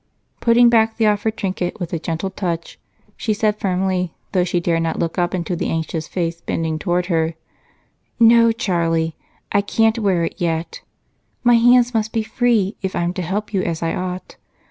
Putting back the offered trinket with a gentle touch, she said firmly, though she dared not look up into the anxious face bending toward her: "No, Charlie I can't wear it. My hands must be free if I'm to help you as I ought.